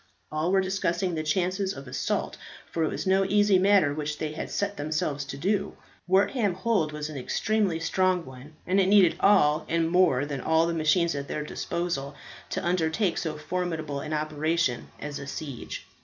All were discussing the chances of the assault, for it was no easy matter which they had set themselves to do. Wortham Hold was an extremely strong one, and it needed all and more than all the machines at their disposal to undertake so formidable an operation as a siege.